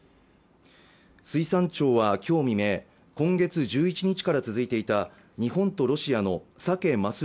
水産庁はきょう未明今月１１日から続いていた日本とロシアのさけ・ます